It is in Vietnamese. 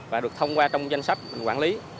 và được thông qua trong danh sách mình quản lý